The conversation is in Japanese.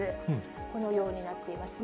このようになっていますね。